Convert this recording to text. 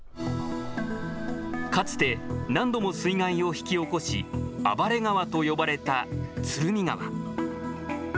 かつて何度も水害を引き起こし、暴れ川と呼ばれた鶴見川。